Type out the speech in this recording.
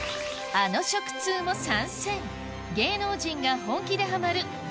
あの食通も参戦！